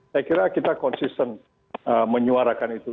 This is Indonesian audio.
saya kira kita konsisten menyuarakan itu